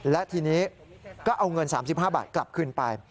และทีนี้ก็เอาเงิน๓๕บาทกลับคืนไป